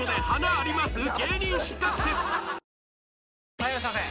はいいらっしゃいませ！